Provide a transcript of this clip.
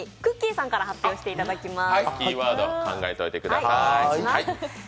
さんから発表していただきます。